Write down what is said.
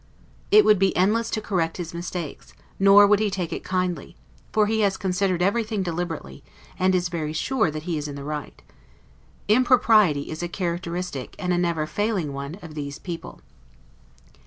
It would be endless to correct his mistakes, nor would he take it kindly: for he has considered everything deliberately, and is very sure that he is in the right. Impropriety is a characteristic, and a never failing one, of these people.